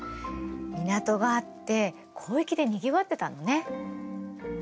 港があって交易でにぎわってたのね。